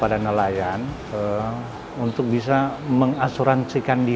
pemerintah provinsi tengah telah memberikan turunan ke tiga ratus enam puluh dua lima juta ton di harga ekonomi